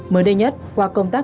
mới đây nhất qua công tác